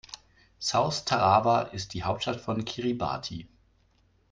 South Tarawa ist die Hauptstadt von Kiribati.